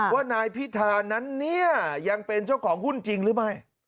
ว่านายพิธานั้นเนี่ยยังเป็นเจ้าของหุ้นจริงหรือไม่